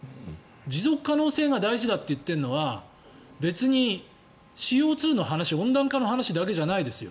持続可能性が大事だといっているのは別にＣＯ２、温暖化の話だけじゃないですよ。